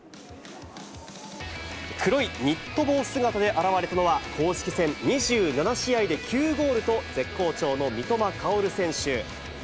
黒いニット帽姿で現れたのは、公式戦２７試合で９ゴールと絶好調の三笘薫選手。